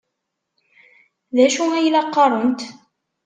D acu ay la qqarent?